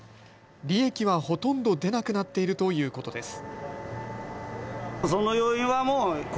利益はほとんど出なくなっているということです。